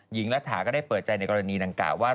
หญิงระทะก็ได้เปิดใจในกรณีดังกะว่า